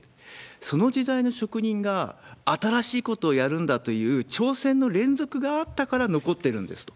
その時代の職人が新しいことをやるんだという挑戦の連続があったから残ってるんですと。